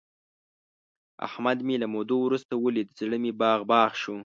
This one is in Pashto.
احمد مې له مودو ورسته ولید، زړه مې باغ باغ شو.